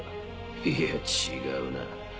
いや違うな。